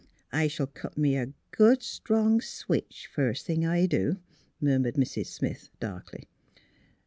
'' I shall cut me a good strong switch, first thing I do," murmured Mrs. Smith, darkly.